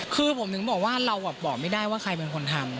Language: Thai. คือผมถึงบอกว่าเราบอกไม่ได้ว่าใครเป็นคนทำ